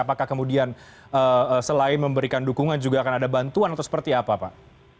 apakah kemudian selain memberikan dukungan juga akan ada bantuan atau seperti apa pak